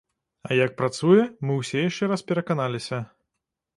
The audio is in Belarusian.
А як працуе, мы ўсе яшчэ раз пераканаліся.